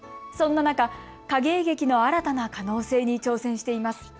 そんな中、影絵劇の新たな可能性に挑戦しています。